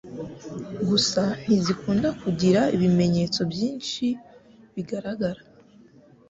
Gusa ntizikunda kugira ibimenyetso byinshi bigaragara